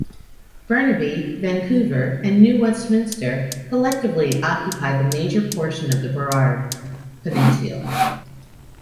Burnaby, Vancouver and New Westminster collectively occupy the major portion of the Burrard Peninsula.